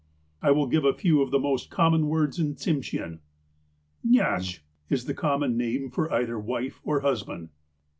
I will give a few of the most common words in Tsimsheau : "Naxsh" is the common name for either wife or husband.